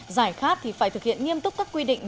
giải khát thì phải thực hiện nghiêm túc các quy định